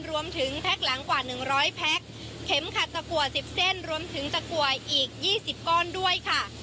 รวมถึงแพ็คหลังกว่าหนึ่งร้อยแพ็คเข็มคัดสะกว่าสิบเส้นรวมถึงสะกว่าอีกยี่สิบก้อนด้วยค่ะ